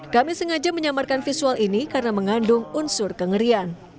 kami sengaja menyamarkan visual ini karena mengandung unsur kengerian